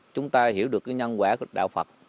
chúng ta hiểu được nhân quả của đạo phật